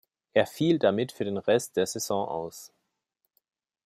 Er fiel damit für den Rest der Saison aus.